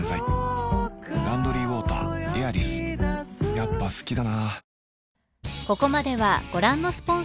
やっぱ好きだな